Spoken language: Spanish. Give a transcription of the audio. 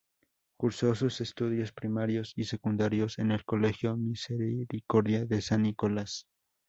Cursó sus estudios primarios y secundarios en el colegio Misericordia de San Nicolás.